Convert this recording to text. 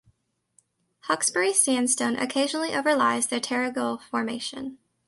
Hawkesbury Sandstone occasionally overlies the Terrigal Formation.